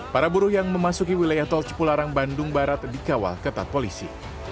para buruh yang memasuki wilayah tol cipularang bandung barat dikawal ketat polisi